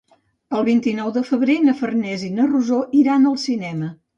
El vint-i-nou de febrer na Farners i na Rosó iran al cinema.